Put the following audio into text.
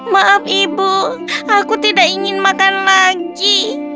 maaf ibu aku tidak ingin makan lagi